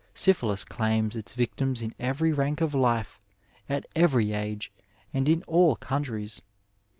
Syphilis claims its victims in every rank of life, at every age, and in all countries.